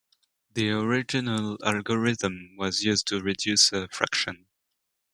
The original algorithm was used to reduce a fraction.